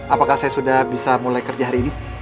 apakah saya sudah bisa mulai kerja hari ini